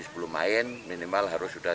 sebelum main minimal harus sudah